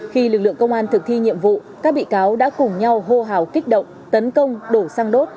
khi lực lượng công an thực thi nhiệm vụ các bị cáo đã cùng nhau hô hào kích động tấn công đổ xăng đốt